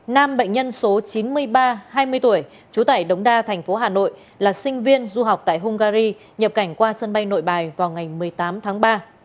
nam bệnh nhân số chín mươi ba hai mươi tuổi trú tại đống đa thành phố hà nội là sinh viên du học tại hungary nhập cảnh qua sân bay nội bài vào ngày một mươi tám tháng ba